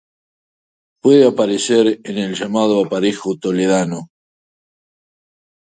Puede aparecer en el llamado Aparejo toledano.